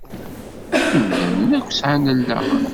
Imdanen akk sεan allaɣen.